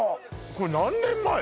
これ何年前？